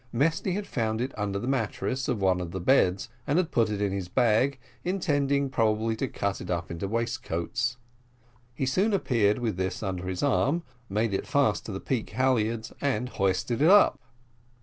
Mesty had found it under the mattress of one of the beds, and had put it into his bag, intending probably to cut it up into waistcoats. He soon appeared with this under his arm, made it fast to the peak halyards and hoisted it up.